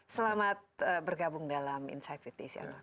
selamat bergabung dalam insight with desi anwar